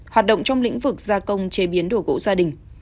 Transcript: hoạt động trong lĩnh vực gia công chế biến đồ gỗ gia đình